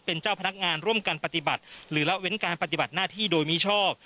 เป็นเจ้าพนักงานร่วมกันปฏิบัติหรือละเว้นการปฏิบัติหน้าที่โดยมิชอบ